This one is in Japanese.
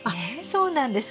そうなんです。